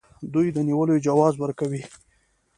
دوی د نیولو جواز ورکوي.